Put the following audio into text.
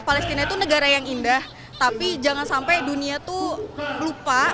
palestina itu negara yang indah tapi jangan sampai dunia tuh lupa